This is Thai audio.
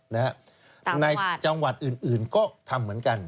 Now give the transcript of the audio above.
ตามจังหวัดจังหวัดอื่นก็ทำเหมือนกัน